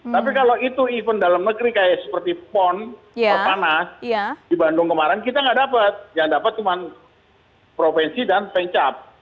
tapi kalau itu event dalam negeri kayak seperti pon perpanas di bandung kemarin kita nggak dapat yang dapat cuma provinsi dan pencap